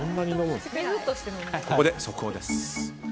ここで速報です。